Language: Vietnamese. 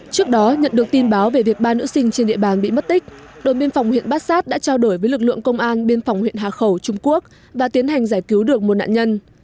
trước đó nhận được tin báo về việc ba nữ sinh trên địa bàn bị mất tích đội biên phòng huyện bát sát đã trao đổi với lực lượng công an biên phòng huyện hà khẩu trung quốc và tiến hành giải cứu được một nạn nhân